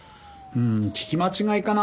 うーん聞き間違いかな？